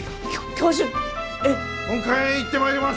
本館へ行ってまいります！